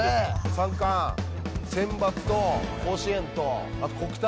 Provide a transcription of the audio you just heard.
三冠、センバツと甲子園と、あと国体。